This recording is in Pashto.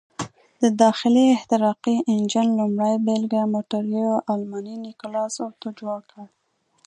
د داخلي احتراقي انجن لومړۍ بېلګه موټر یو الماني نیکلاس اتو جوړ کړ.